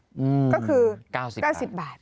ก็คือ๙๐๙๐บาท